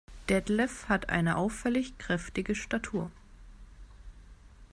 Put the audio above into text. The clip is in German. Detlef hat eine auffällig kräftige Statur.